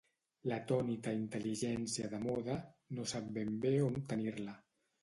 L'atònita intel·ligència de moda no sap ben bé on tenir-la.